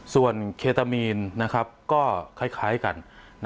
ส่วนเคตามีนก็คล้ายกัน